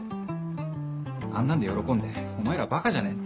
あんなんで喜んでお前らバカじゃねえの？